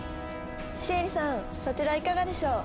シエリさんそちらいかがでしょう？